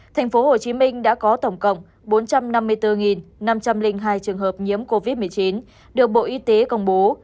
tp hcm đã có tổng cộng bốn trăm năm mươi bốn năm trăm linh hai trường hợp nhiễm covid một mươi chín được bộ y tế công bố